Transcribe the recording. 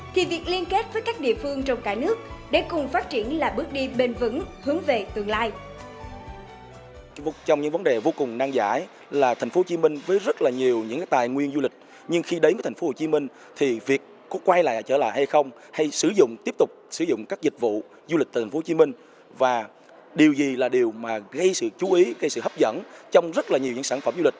thì việc liên kết với các địa phương trong cả nước để cùng phát triển là bước đi bền vững hướng về tương lai